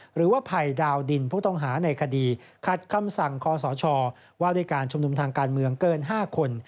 หรือว่าภัยดาวดินผู้ต้องหาในคดีขัดคำสั่งคอสชว่าด้วยการชุมนุมทางการเมืองเกิน๕คน